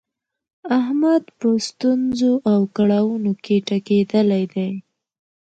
احمد په ستونزو او کړاونو کې ټکېدلی دی.